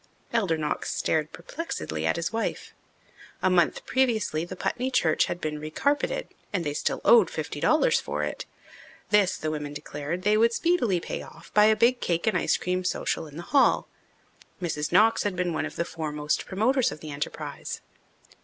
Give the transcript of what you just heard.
Elder Knox stared perplexedly at his wife. A month previously the Putney church had been recarpeted, and they still owed fifty dollars for it. This, the women declared, they would speedily pay off by a big cake and ice cream social in the hall. Mrs. Knox had been one of the foremost promoters of the enterprise.